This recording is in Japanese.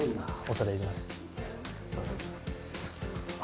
恐れ入ります。